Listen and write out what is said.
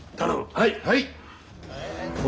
はい！